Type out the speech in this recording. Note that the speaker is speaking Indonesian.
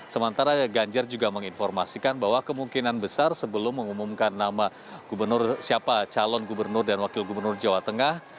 sementara ganjar juga menginformasikan bahwa kemungkinan besar sebelum mengumumkan nama gubernur siapa calon gubernur dan wakil gubernur jawa tengah